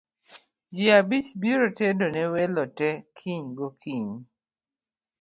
Ji abich biro tedo ne welo tee kiny go kinyi